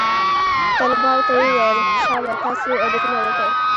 طلباو ته يې وويل شابه تاسې اودسونه وكئ.